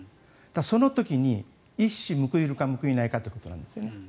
その時に一矢報いるか報いないかということなんですね。